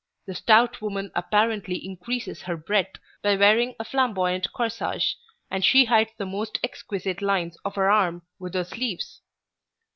67, the stout woman apparently increases her breadth by wearing a flamboyant corsage, and she hides the most exquisite lines of her arm with her sleeves.